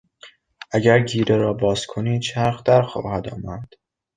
اگر گیره را بازکنی چرخ درخواهد آمد.